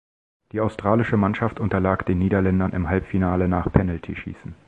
Die australische Mannschaft unterlag den Niederländern im Halbfinale nach Penaltyschießen.